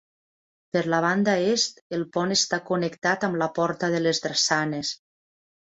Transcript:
Per la banda est, el pont està connectat amb la porta de les drassanes.